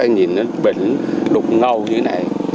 nhìn nó vẫn đục ngầu như thế này